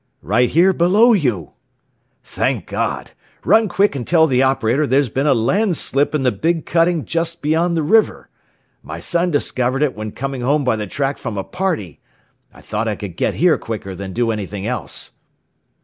"Right here below you!" "Thank God! Run quick and tell the operator there has been a landslip in the big cutting just beyond the river! My son discovered it when coming home by the track from a party! I thought I could get here quicker than do anything else!"